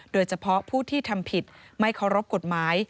โดยเฉพาะผู้ที่ทำผิดไม่เคารพกฎหมาย